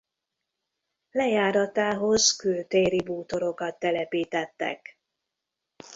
Lejáratához kültéri bútorokat telepítettek.